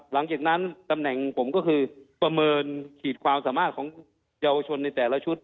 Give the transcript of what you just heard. หลังจากนั้นตำแหน่งผมก็คือประเมินขีดความสามารถของเยาวชนในแต่ละชุด